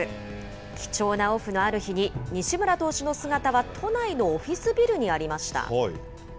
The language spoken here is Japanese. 貴重なオフのある日に、西村投手の姿は都内のオフィスビルにありました。